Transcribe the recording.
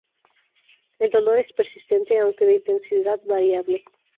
El dolor es persistente, aunque de intensidad variable.